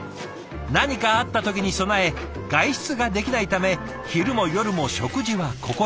何かあった時に備え外出ができないため昼も夜も食事はここで。